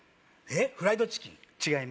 えっフライドチキン？